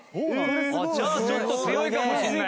じゃあちょっと強いかもしれない。